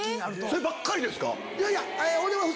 そればっかりですか？